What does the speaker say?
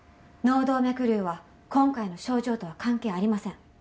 脳動脈瘤は今回の症状とは関係ありません。